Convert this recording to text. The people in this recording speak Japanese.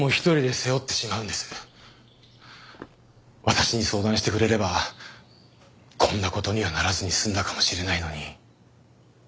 私に相談してくれればこんな事にはならずに済んだかもしれないのに。